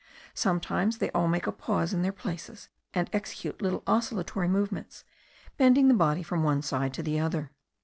Sometimes they all make a pause in their places, and execute little oscillatory movements, bending the body from one side to the other.